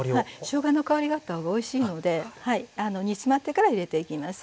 しょうがの香りがあった方がおいしいので煮詰まってから入れていきます。